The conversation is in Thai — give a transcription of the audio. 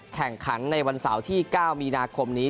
แข่งขันในวันเสาร์ที่๙มีนาคมนี้